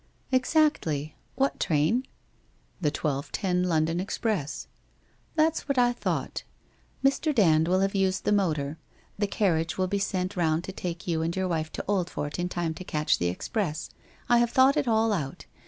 'Exactly. What train?' ' The twelve ten London express.' 1 That's what I thought. Mr. Dand will have used the motor. The carriage will be sent round to take you and your wife to Oldfort in time to catch the express. I have thought it all out.